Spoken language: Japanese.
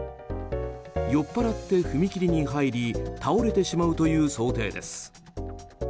酔っぱらって踏切に入り倒れてしまうという想定です。